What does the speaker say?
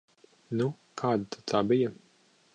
Nu, kāda tad tā bija?